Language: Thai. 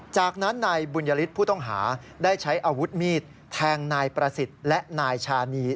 จากนั้นนายบุญยฤทธิ์ผู้ต้องหาได้ใช้อาวุธมีดแทงนายประสิทธิ์และนายชานี